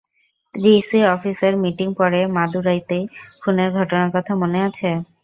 DC অফিসের meeting পরে মাদুরাইতে খুনের ঘটনার কথা মনে আছে?